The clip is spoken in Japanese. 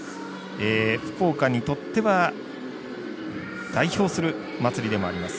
福岡にとっては代表する祭りでもあります